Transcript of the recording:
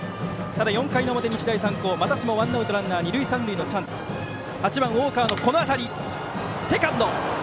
ただ４回の表、日大三高またしてもワンアウトランナー、二塁三塁のチャンスで８番、大川のこの当たり。